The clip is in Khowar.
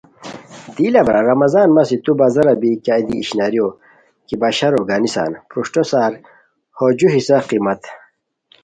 دی لہ برار رمضان مسی تو بازار بی کیہ دی اشناریو کی بشارو گنیسان پروشٹو سار ہو جُو حصہ قیمت